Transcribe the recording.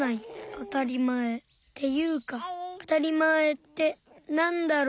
あたりまえっていうかあたりまえってなんだろう？